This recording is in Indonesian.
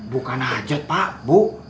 bukan ajat pak bu